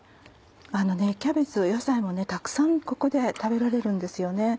キャベツ野菜もたくさんここで食べられるんですよね。